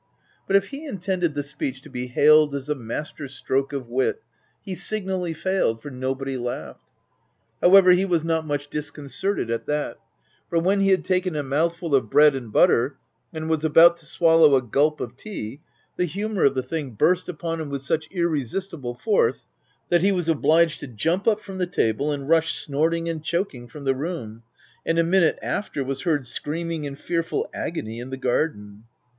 But if he intended the speech to be hailed as a master stroke of wit, he signally failed, for nobody laughed. However, he was not much disconcerted at that ; for when he had taken a mouthful of bread and butter, and was about to swallow a gulp of tea, the humour of the thing burst upon him with such irresistible force, that he was obliged to jump up from the table, and rush snorting and choking from the room ; OF WILDFELL HALL. 15 and a minute after, was heard screaming in fearful agony in the garden.